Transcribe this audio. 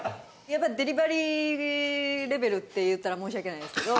やっぱりデリバリーレベルって言ったら申し訳ないですけど。